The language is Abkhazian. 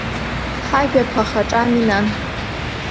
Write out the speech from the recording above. Ҳажә аԥа Хаҿ ами, нан!